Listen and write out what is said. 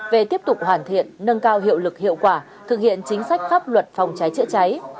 về tiếp tục hoàn thiện nâng cao hiệu lực hiệu quả thực hiện chính sách pháp luật phòng cháy chữa cháy